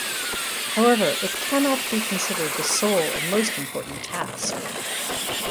However, it cannot be considered the sole and most important task.